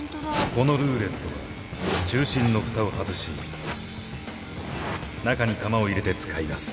このルーレットは中心のふたを外し中に玉を入れて使います。